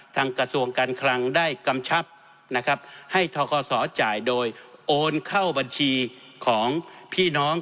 กระทรวงการคลังได้กำชับนะครับให้ทคศจ่ายโดยโอนเข้าบัญชีของพี่น้อง